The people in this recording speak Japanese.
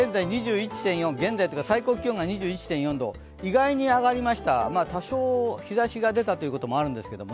東京、最高気温が２１．４度意外に上がりました、多少日ざしが出たこともあるんですけれども。